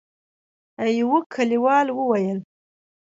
يوه کليوال وويل: